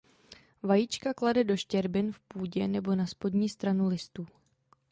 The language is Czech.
Vajíčka klade do štěrbin v půdě nebo na spodní stranu listů.